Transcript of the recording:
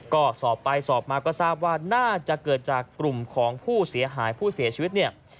ก็สอบไปสอบมาก็ทราบว่าน่าจะเกิดจากกลุ่มของผู้เสียหายผู้เสียชีวิตเนี่ย